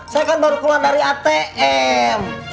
saya kan baru keluar dari atm